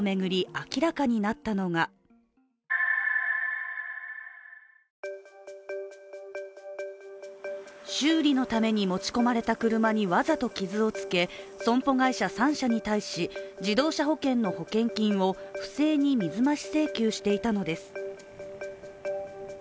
明らかになったのが修理のために持ち込まれた車にわざと傷をつけ損保会社３社に対し、自動車保険の保険金を不正に水増し請求していたのです。